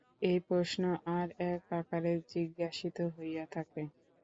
এই প্রশ্ন আর এক আকারে জিজ্ঞাসিত হইয়া থাকে।